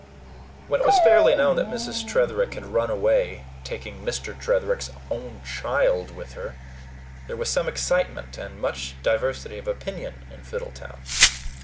When it was fairly known that Mrs. Tretherick had run away, taking Mr. Tretherick's own child with her, there was some excitement and much diversity of opinion, in Fiddletown.